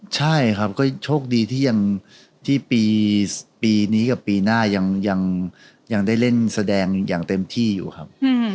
ใช่ครับก็โชคดีที่ปีนี้กับปีหน้ายังได้เล่นแสดงอย่างเต็มที่อยู่ครับ